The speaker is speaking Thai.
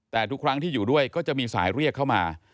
แต่ทุกครั้งที่อยู่ด้วยก็จะมีสายเรียกเข้ามา